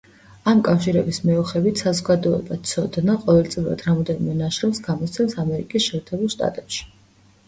ამ კავშირების მეოხებით „საზოგადოება ცოდნა“ ყოველწლიურად რამდენიმე ნაშრომს გამოსცემს ამერიკის შეერთებულ შტატებში.